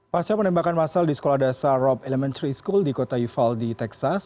pasca penembakan masal di sekolah dasar robb elementary school di kota uvaldi texas